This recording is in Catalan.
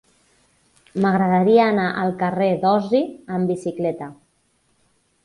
M'agradaria anar al carrer d'Osi amb bicicleta.